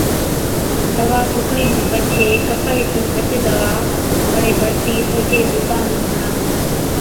دَوا سُوڪڻي کن پڇي ڪپهئِي سُون هچ دَوا بڙي بڙتِي سجي بُتا نُون هڻا۔